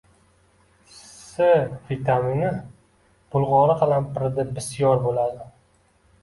C vitamini bulg‘ori qalampirida bisyor bo‘ladi